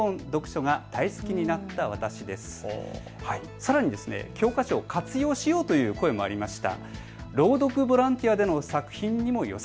さらに教科書を活用しようという声もありました。